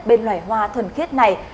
bên loài hoa thuần khiết này